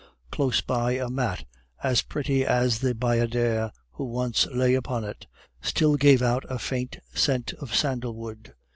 Close by, a mat, as pretty as the bayadere who once lay upon it, still gave out a faint scent of sandal wood.